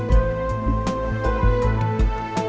pertimbangan yang paling baik